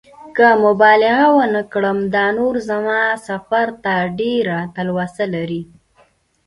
که مبالغه ونه کړم دا نو زما سفر ته ډېره تلوسه لري.